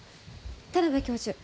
田邊教授